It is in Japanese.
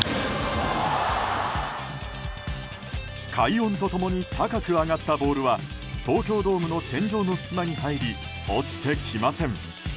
快音と共に高く上がったボールは東京ドームの天井の隙間に入り落ちてきません。